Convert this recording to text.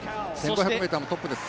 １５００ｍもトップです。